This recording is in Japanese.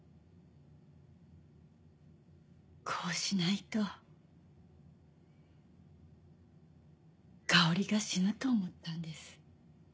こうしないと香織が死ぬと思ったんです。